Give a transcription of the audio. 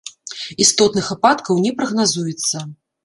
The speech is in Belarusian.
Істотных ападкаў не прагназуецца.